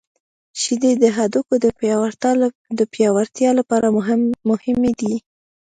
• شیدې د هډوکو د پیاوړتیا لپاره مهمې دي.